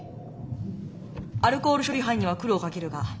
アルコール処理班には苦労をかけるがよろしく頼む。